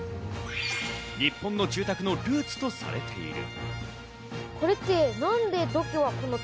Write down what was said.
日本の住宅のルーツとされている。